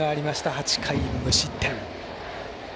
８回、無失点。